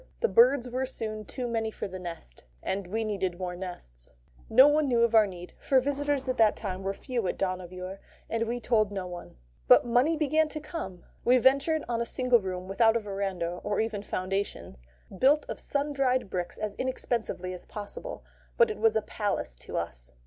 The birds were soon too many for the nest, and we needed more nests. No one knew of our need; for visitors at that time were few at Dohnavur, and we told no one. But money began to come. We ventured on a single room without a verandah or even foundations built of sun dried bricks as inexpensively as possible. But it was a palace to us.